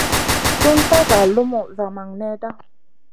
Sun ka nga lumu zamang nèda.